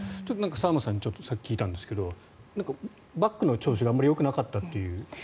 沢松さんにさっき聞いたんですがバックの調子があまりよくなかったという。